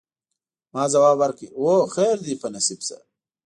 ما ځواب ورکړ: هو، خیر دي په نصیب شه.